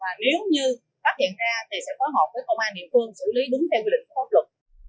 và nếu như phát hiện ra thì sẽ phối hợp với công an địa phương xử lý đúng theo quy định của pháp luật